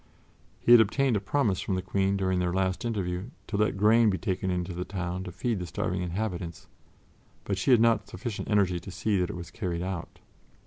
He had obtained a promise from the Queen during their last interview to let grain be taken into the town to feed the starving inhabitants, but she had not had sufficient energy to see that it was carried out.